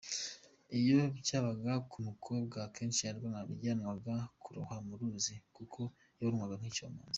Iyo byabaga ku mukobwa akeshi yajyanwaga kurohwa mu ruzi kuko yabonwaga nk’icyomanzi.